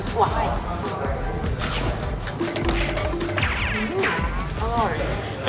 อร่อยเลย